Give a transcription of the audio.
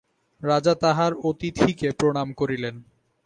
রাজা তাঁহার অতিথিকে প্রণাম করিলেন।